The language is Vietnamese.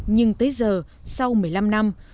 nhưng tới giờ sau một mươi năm năm